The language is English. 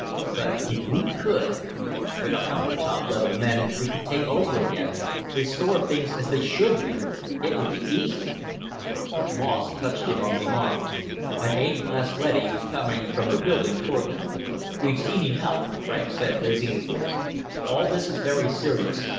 But if we could " "With a hundred top level men, we could take over again, restore things as they should be! It would be easy!" Moss touched him on the arm. An A class leady was coming from the building toward them. "We've seen enough," Franks said, raising his voice. "All this is very serious.